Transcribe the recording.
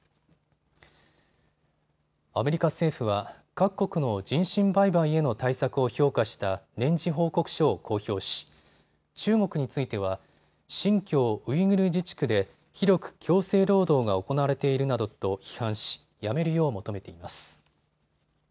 アメリカ政府は各国の人身売買への対策を評価した年次報告書を公表し中国については新疆ウイグル自治区で広く強制労働が行われているなどと批判しやめるよう求めています。